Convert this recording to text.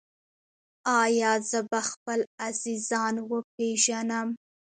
ایا زه به خپل عزیزان وپیژنم؟